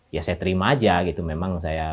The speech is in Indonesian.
ya saya terima aja gitu memang saya